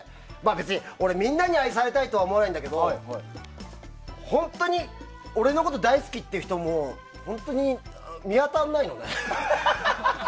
別にみんなに愛されたいとは思わないんだけど本当に俺のこと大好きって人本当に見当たらないのね。